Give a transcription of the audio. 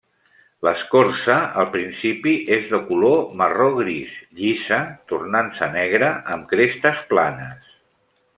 L'escorça, al principi és de color marró gris, llisa, tornant-se negra amb crestes planes.